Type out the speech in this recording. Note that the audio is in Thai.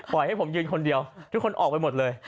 ให้ผมยืนคนเดียวทุกคนออกไปหมดเลย